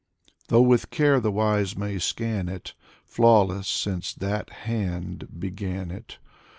Though with care the wise may scan it, Flawless since that Hand began it.